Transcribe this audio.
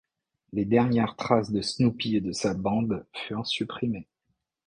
Les dernières trace de Snoopy et de sa bande furent supprimées.